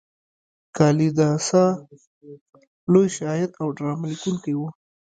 کالیداسا لوی شاعر او ډرامه لیکونکی و.